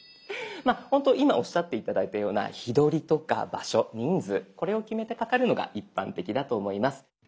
ほんと今おっしゃって頂いたような日取りとか場所人数これを決めてかかるのが一般的だと思います。